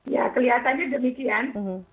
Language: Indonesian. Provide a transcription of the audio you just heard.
ya kelihatannya demikian